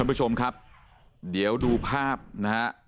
คุณผู้ชมครับเดี๋ยวดูภาพนะฮะ